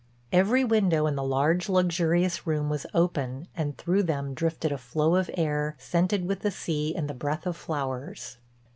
Every window in the large, luxurious room was open and through them drifted a flow of air, scented with the sea and the breath of flowers.